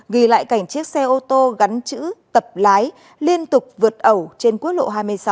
ghi lại cảnh chiếc xe ô tô gắn chữ tập lái liên tục vượt ẩu trên quốc lộ hai mươi sáu